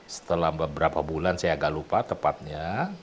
setelah beberapa bulan saya agak lupa tepatnya